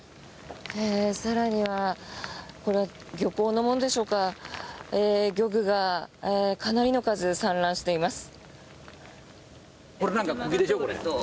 更には、これ漁港のものでしょうか漁具がかなりの数散乱しています。